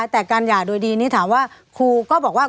แต่การหย่าโดยดีนี้ถามว่าครูก็บอกว่า